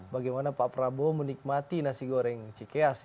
bagaimana pak prabowo menikmati nasi goreng cikeas